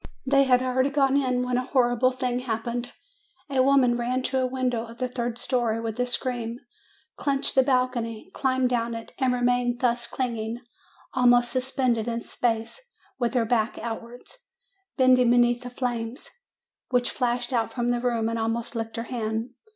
They had already gone in when a horrible thing happened : a woman ran to a window of the third story, with a scream, clutched the balcony, climbed down it, and remained thus clinging, almost suspended in space, with her back outwards, THE FIRE 251 bending beneath the flames, which flashed out from the room and almost licked her head.